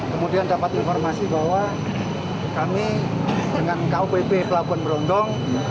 kemudian dapat informasi bahwa kami dengan kupp pelabuhan berondong